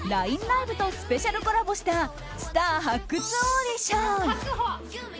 ＬＩＮＥＬＩＶＥとスペシャルコラボしたスター発掘オーディション。